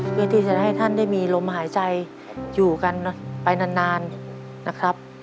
เพื่อที่จะให้ท่านได้มีลมหายใจอยู่กันไปนานนะครับ